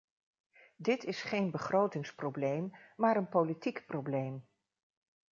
Dit is geen begrotingsprobleem maar een politiek probleem.